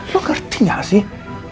lo ngerti gak sih